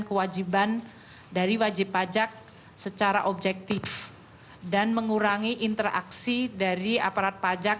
kewajiban dari wajib pajak secara objektif dan mengurangi interaksi dari aparat pajak